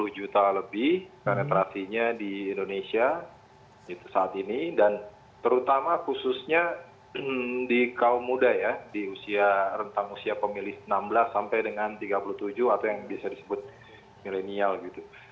dua puluh juta lebih penetrasinya di indonesia saat ini dan terutama khususnya di kaum muda ya di usia rentang usia pemilih enam belas sampai dengan tiga puluh tujuh atau yang bisa disebut milenial gitu